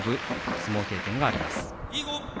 相撲経験があります。